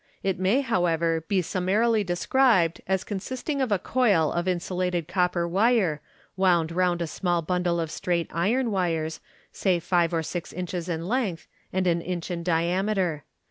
It may, however, be summarily described as consisting of a coil of insulated coppei wire, wound round a small bundle of straight iron wires, say five or six inches in length, and an inch in diameter.